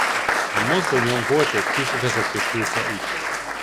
A mozdonyon volt egy kis vezetőfülke is.